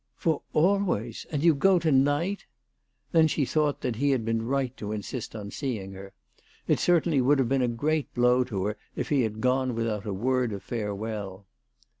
" For always ! And you go to night !" Then she thought that he had been right to insist on seeing her. It would certainly have been a great blow to her if he had gone without a word of farewell.